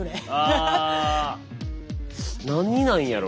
何になんやろ。